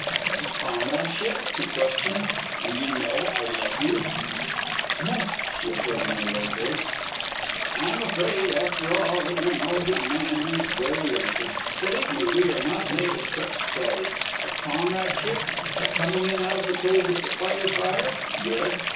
"A comradeship?" he questioned. "When you know I love you?" "Yes," she affirmed in a low voice. "I am afraid, after all, that your knowledge of man is very limited. Believe me, we are not made of such clay. A comradeship? A coming in out of the cold to sit by your fire? Good.